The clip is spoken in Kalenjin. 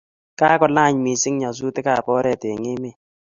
kakolany missing nyasutikab oret eng emet